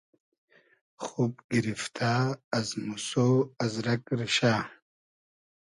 خوب گیریفتۂ از موسۉ از رئگ ریشۂ